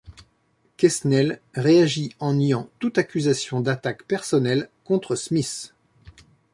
Quesnell réagit en niant toute accusation d'attaque personnellle contre Smith.